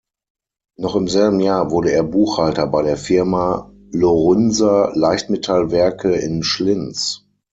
Noch im selben Jahr wurde er Buchhalter bei der Firma Lorünser-Leichtmetallwerke in Schlins.